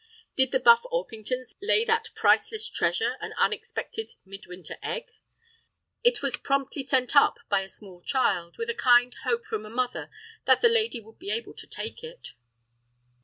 Did the Buff Orpingtons lay that priceless treasure, an unexpected mid winter egg? It was promptly sent up by a small child, with a kind hope from mother that the lady would be able to take it.